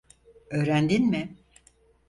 Öğrendin mi?